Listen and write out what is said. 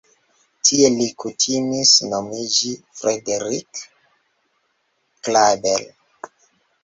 Tie li kutimis nomiĝi Frederick Klaeber.